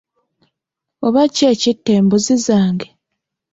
Oba ki ekitta embuzi zange?